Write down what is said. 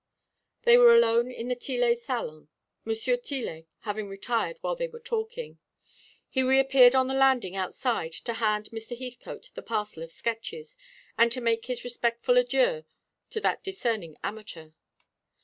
They were alone in the Tillet salon, Monsieur Tillet having retired while they were talking. He reappeared on the landing outside to hand Mr. Heathcote the parcel of sketches, and to make his respectful adieux to that discerning amateur.